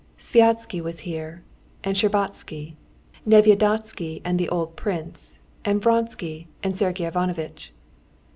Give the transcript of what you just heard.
Sviazhsky was here and Shtcherbatsky, Nevyedovsky and the old prince, and Vronsky and Sergey Ivanovitch.